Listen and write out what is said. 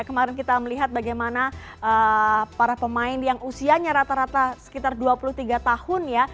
kemarin kita melihat bagaimana para pemain yang usianya rata rata sekitar dua puluh tiga tahun ya